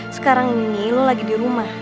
sekarang ini lo lagi di rumah